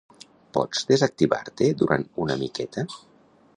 Pots desactivar-te durant una miqueta?